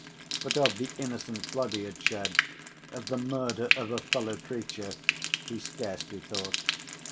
But of the innocent blood he had shed, of the murder of a fellow creature, he scarcely thought.